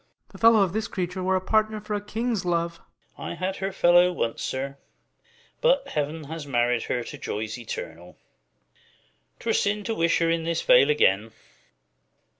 Ah. The fellow of this creature were a partner For a king's love. Ver. I had her fellow once, sir, But heaven has married her to joys eternal ; 5 'Twere sin to wish her in this vale again.